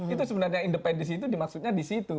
itu sebenarnya independen di situ dimaksudnya di situ